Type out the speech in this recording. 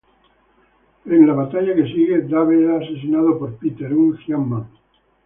En la batalla que sigue, Dave es asesinado por Peter, un Giant-Man.